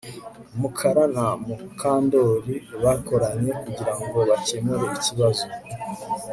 Mukara na Mukandoli bakoranye kugirango bakemure ikibazo